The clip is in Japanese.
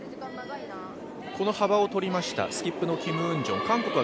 この幅をとりました、スキップのキム・ウンジョン。